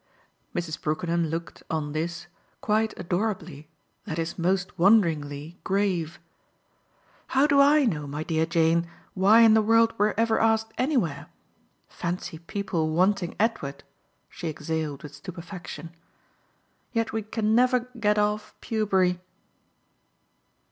Mrs. Brookenham looked, on this, quite adorably that is most wonderingly grave. "How do I know, my dear Jane, why in the world we're ever asked anywhere? Fancy people wanting Edward!" she exhaled with stupefaction. "Yet we can never get off Pewbury."